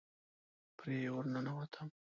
پرې ورننوتم.